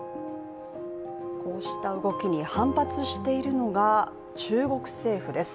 こうした動きに反発しているのが中国政府です。